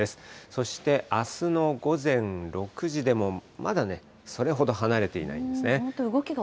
そしてあすの午前６時でもまだね、それほど離れていないですね。